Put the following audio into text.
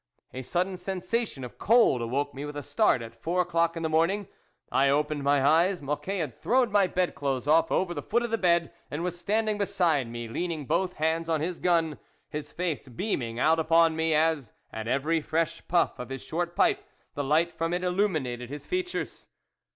A sudden sensation of cold awoke me with a start at four THE WOLF LEADER o'clock in the morning ; I opened my eyes. Mocquet had thrown my bed clothes off over the foot of the bed, and was standing beside me, leaning both hands on his gun, his face beaming out upon me, as, at every fresh puff of his short pipe, the light from it illuminated his features.